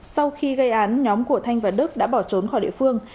sau khi gây án nhóm của thanh và đức đã bỏ trốn khỏi địa phương